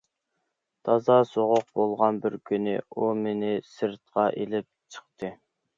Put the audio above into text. تازا سوغۇق بولغان بىر كۈنى ئۇ مېنى سىرتقا ئېلىپ چىقتى.